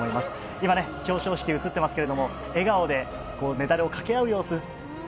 今、表彰式が映ってますが笑顔でメダルをかけ合う様子